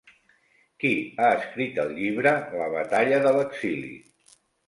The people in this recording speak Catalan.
Qui ha escrit el llibre La batalla de l'exili?